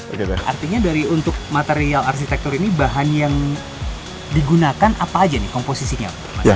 oke artinya dari untuk material arsitektur ini bahan yang digunakan apa aja nih komposisinya